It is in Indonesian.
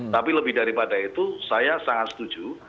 tapi lebih daripada itu saya sangat setuju